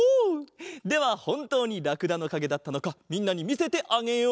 ではほんとうにらくだのかげだったのかみんなにみせてあげよう。